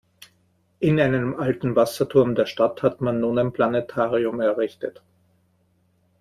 In einem alten Wasserturm der Stadt hat man nun ein Planetarium errichtet.